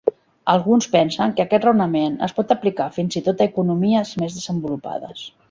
Alguns pensen que aquest raonament es pot aplicar fins i tot a economies més desenvolupades.